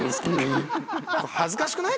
恥ずかしくない？